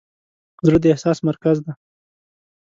زړه د احساس مرکز دی.